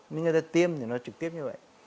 nhưng người ta tiêm thì nó trực tiếp như vậy